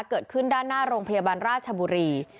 เกิดขึ้นด้านหน้าโรงพยาบาลราชบุรี